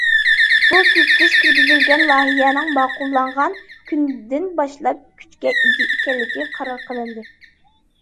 بۇ تۈزىتىش كىرگۈزۈلگەن لايىھەنىڭ ماقۇللانغان كۈنىدىن باشلاپ كۈچكە ئىگە ئىكەنلىكى قارار قىلىندى.